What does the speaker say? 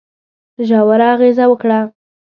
ژوره اغېزه وکړه.